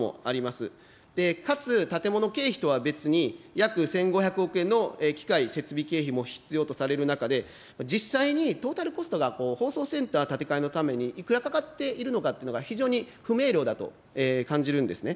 かつ建物経費とは別に、約１５００億円の機械設備経費も必要とされる中で、実際にトータルコストが、放送センター建て替えのために、いくらかかっているのかっていうのが、非常に不明瞭だと感じるんですね。